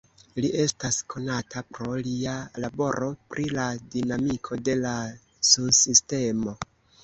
Li estas konata pro lia laboro pri la dinamiko de la sunsistemo.